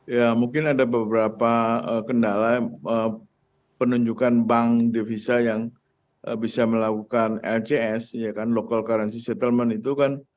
ya mungkin ada beberapa kendala penunjukan bank devisa yang bisa melakukan lcs local currency settlement itu kan